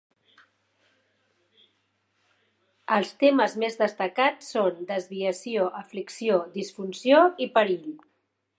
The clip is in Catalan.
Els temes més destacats són "desviació, aflicció, disfunció i perill".